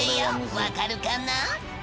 「分かるかな」